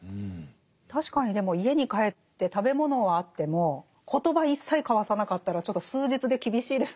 確かにでも家に帰って食べ物はあっても言葉一切交わさなかったらちょっと数日で厳しいですもんね。